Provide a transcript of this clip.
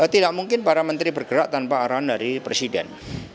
tidak mungkin para menteri bergerak tanpa arahan dari presiden